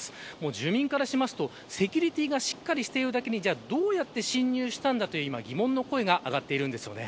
住民からしますとセキュリティーがしっかりしているだけにどうやって侵入したのかという疑問の声が上がっているんです。